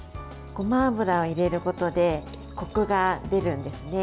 ごま油を入れることでこくが出るんですね。